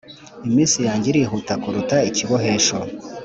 iminsi yanjye irihuta kuruta ikibohesho